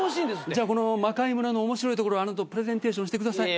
じゃこの『魔界村』の面白いところあなたプレゼンテーションしてください。